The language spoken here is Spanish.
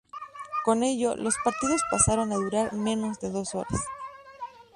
Con ello, los partidos pasaron a durar menos de dos horas.